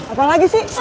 apa lagi sih